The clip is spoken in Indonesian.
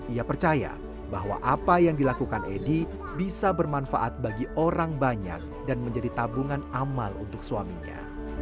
ia percaya bahwa apa yang dilakukan edy bisa bermanfaat bagi orang banyak dan menjadi tabungan amal untuk suaminya